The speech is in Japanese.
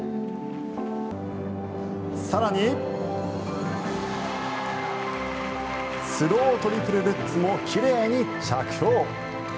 更に、スロウトリプルルッツも奇麗に着氷。